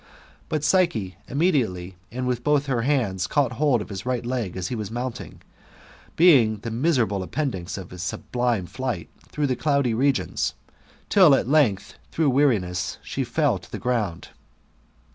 But Psyche imme diately, wiiti both her hands, caught hold of his right leg as he was mounting, being the miserable appendix of his sublime flight through the cloudy regions, till at length, through weari ness, she fell to the giound.